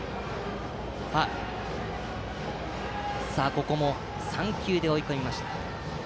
ここも３球で追い込みました。